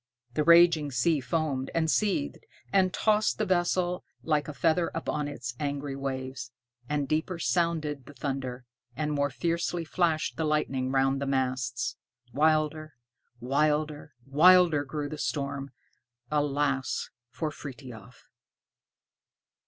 The raging sea foamed, and seethed, and tossed the vessel like a feather upon its angry waves, and deeper sounded the thunder, and more fiercely flashed the lightning round the masts. Wilder, wilder, wilder grew the storm. Alas, for Frithiof!